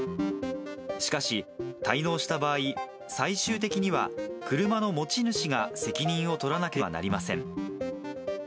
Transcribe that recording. しかし、滞納した場合、最終的には車の持ち主が責任を取らなければなりません。